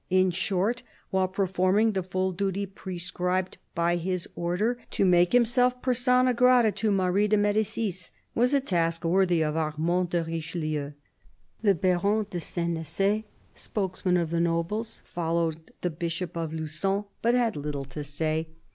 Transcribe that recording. In short, while performing the full duty pre scribed by his Order, to make himself persona grata to Marie de Medicis, was a task worthy of Armand de Richelieu. The Baron de Senece, spokesman of the nobles, followed the Bishop of Lugon, but had little to say.